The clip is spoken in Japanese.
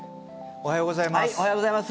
おはようございます。